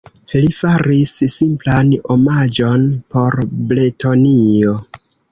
Li faris simplan omaĝon por Bretonio.